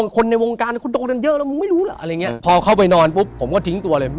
คนในวงการเขานอนเยอะแล้ว